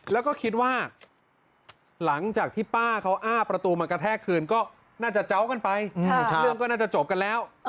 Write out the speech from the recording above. แล้วก็คิดว่าหลังจากที่ป้าเขาอ้าประตูมากระแทกคืนก็น่าจะเจ้ากันไปเรื่องก็น่าจะจบกันแล้ว